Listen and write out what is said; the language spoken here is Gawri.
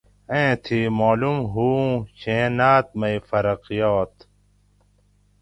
ایں تھی مالوم ھو اُوں چھیں ناۤت مئ فرق یات